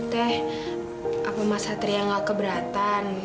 teh apa masa triang gak keberatan